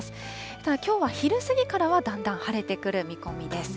ただきょうは昼過ぎからはだんだん晴れてくる見込みです。